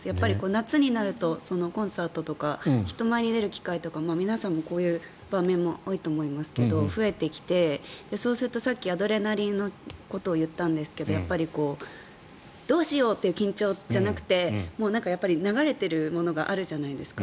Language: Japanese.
夏になるとコンサートとか人前に出る機会とか皆さんもこういう場面も多いと思いますけど、増えてきてそうするとさっきアドレナリンのことを言ったんですけどどうしようっていう緊張じゃなくて流れているものがあるじゃないですか。